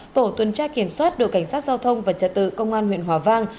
tổ tuần tra kiểm soát đội cảnh sát giao thông và trật tự công an huyện hòa vang